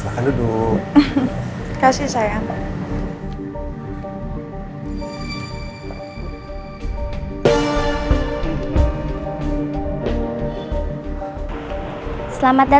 gak ada apa apa